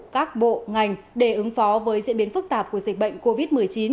các bộ ngành để ứng phó với diễn biến phức tạp của dịch bệnh covid một mươi chín